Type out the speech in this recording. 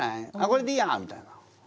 これでいいや」みたいな。